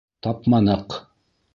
Тапманыҡ!